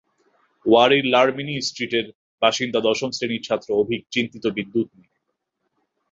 ওয়ারীর Larmini স্ট্রিটের বাসিন্দা দশম শ্রেণির ছাত্র অভিক চিন্তিত বিদ্যুৎ নিয়ে।